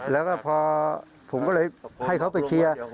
แล้วก็พอผมก็เลยให้เขาไปเคลียร์